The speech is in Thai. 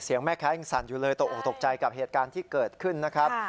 แม่ค้ายังสั่นอยู่เลยตกออกตกใจกับเหตุการณ์ที่เกิดขึ้นนะครับ